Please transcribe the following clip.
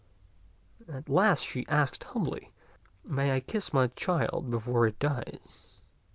At last she asked humbly, " May I kiss my child before it dies